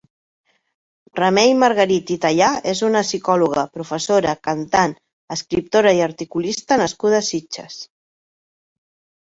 Remei Margarit i Tayà és una psicòloga, professora, cantant, escriptora i articulista nascuda a Sitges.